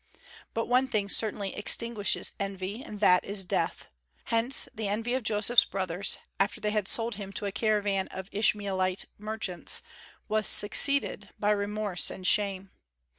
But one thing certainly extinguishes envy; and that is death. Hence the envy of Joseph's brothers, after they had sold him to a caravan of Ishmaelite merchants, was succeeded by remorse and shame.